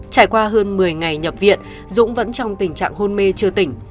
trải qua hơn một mươi ngày nhập viện dũng vẫn trong tình trạng hôn mê chưa tỉnh